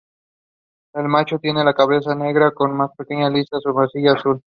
El macho tiene la cabeza negra con una pequeña lista superciliar azul.